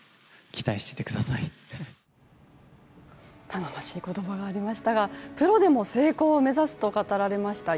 頼もしい言葉がありましたがプロでも成功を目指すと語られました